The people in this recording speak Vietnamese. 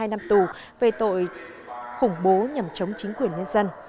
một mươi hai năm tù về tội khủng bố nhằm chống chính quyền nhân dân